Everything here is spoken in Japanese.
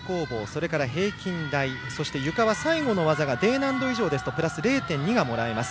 それから平均台そして、ゆかは最後の技がＤ難度以上ですとプラス０．２がもらえます。